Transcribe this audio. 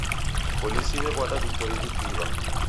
Polisi w'ew'ada vitoi w'ikiiw'a